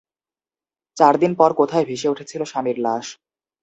চার দিন পর কোথায় ভেসে উঠেছিল স্বামীর লাশ?